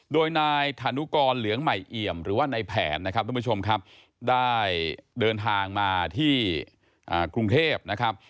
โดยนายฐานุกรเหลืองใหม่เอี่ยมหรือว่าในแผนนะครับทุกผู้ชมครับได้เดินทางมาที่กรุงเทพนะครับ